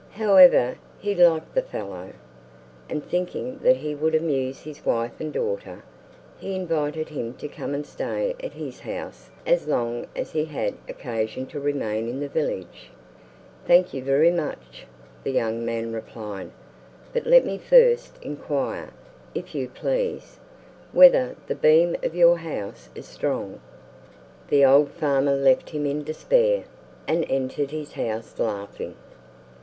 However, he liked the fellow; and thinking that he would amuse his wife and daughter, he invited him to come and stay at his house as long as he had occasion to remain in the village. "Thank you very much," the young man replied; "but let me first inquire, if you please, whether the beam of your house is strong." The old farmer left him in despair, and entered his house laughing.